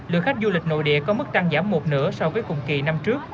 lượng khách du lịch nội địa có mức tăng giảm một nửa so với cùng kỳ năm trước